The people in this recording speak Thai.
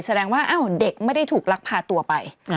แสดงว่าอ้าวเด็กไม่ได้ถูกลักพาตัวไป